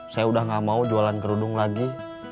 saya udah gak mau jualan kerudung lagi